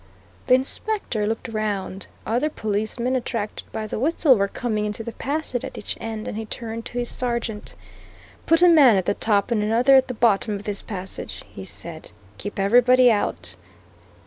The Inspector looked round. Other policemen, attracted by the whistle, were coming into the passage at each end, and he turned to his sergeant. "Put a man at the top and another at the bottom of this passage," he said. "Keep everybody out.